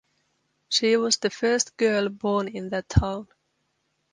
She was the first girl born in that town.